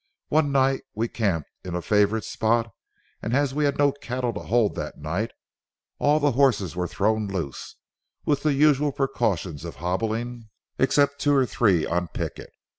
One night we camped in a favorite spot, and as we had no cattle to hold that night, all the horses were thrown loose, with the usual precaution of hobbling, except two or three on picket.